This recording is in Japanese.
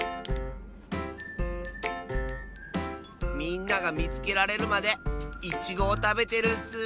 みんながみつけられるまでイチゴをたべてるッス！